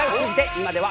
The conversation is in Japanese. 今では。